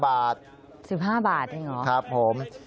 ๑๕บาทเนี่ยเหรอครับผม